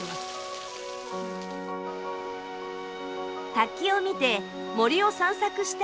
滝を見て森を散策した